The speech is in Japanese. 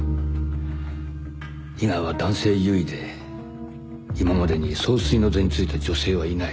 伊賀は男性優位で今までに総帥の座に就いた女性はいない